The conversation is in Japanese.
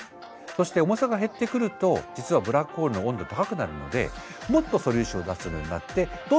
そして重さが減ってくると実はブラックホールの温度高くなるのでもっと素粒子を出せるようになってどんどん減っていく。